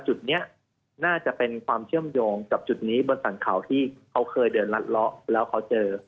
จุดนี้น่าจะเป็นความเชื่อมโยงกับจุดนี้บนสรรเขาที่เขาเคยเดินลัดเลาะแล้วเขาเจอ